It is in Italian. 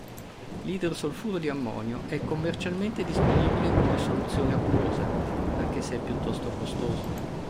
L'idrosolfuro di ammonio è commercialmente disponibile come soluzione acquosa, anche se è piuttosto costoso.